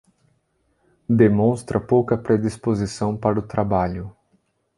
Demonstra pouca predisposição para o trabalho.